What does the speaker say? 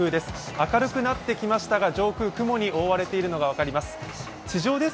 明るくなってきましたが上空、雲に覆われているのが分かります。